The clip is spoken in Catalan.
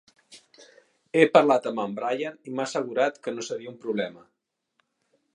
He parlat amb en Brian i m'ha assegurat que no seria un problema.